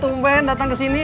tumpen datang ke sini